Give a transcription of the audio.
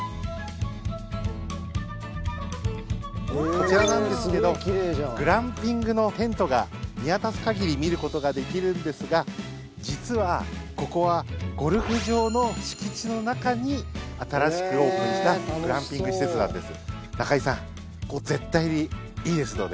こちらなんですけどグランピングのテントが見渡す限り見ることができるんですが実は、ここはゴルフ場の敷地の中に新しくオープンしたグランピング施設なんです。